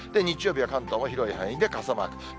日曜日は関東も広い範囲で傘マーク。